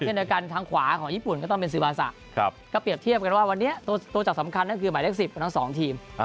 เช่นเดียวกันทางขวาของญี่ปุ่นก็ต้องเป็นซิบาซะก็เปรียบเทียบกันว่าวันนี้ตัวจับสำคัญนั่นคือหมายเลข๑๐ของทั้งสองทีม